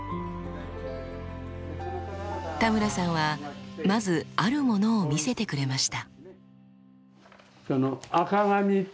田村さんはまずあるものを見せてくれました。